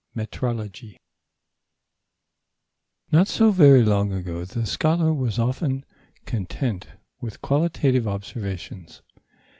METROLOGY Not so very long ago, the scholar was often content with qualitative observations.